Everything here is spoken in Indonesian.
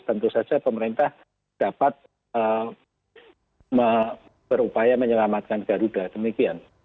tentu saja pemerintah dapat berupaya menyelamatkan garuda demikian